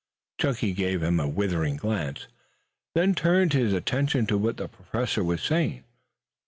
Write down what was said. Chunky gave him a withering glance, then turned his attention to what the Professor was saying.